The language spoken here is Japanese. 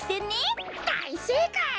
だいせいかい！